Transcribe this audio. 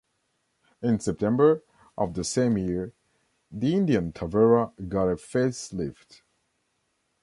In September of the same year, the Indian Tavera got a facelift.